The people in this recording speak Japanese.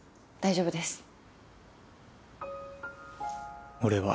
大丈夫です。